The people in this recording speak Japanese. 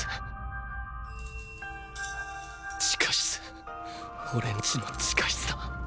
地下室オレんちの地下室だ。